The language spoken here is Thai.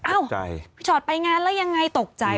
พี่ชอตไปงานแล้วยังไงตกใจ